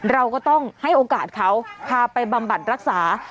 เราก็ต้องให้โอกาสเขาพาไปบำบัดรักษา